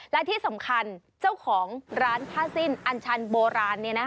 และที่สำคัญเจ้าของร้านผ้าสิ้นอัญชันโบราณ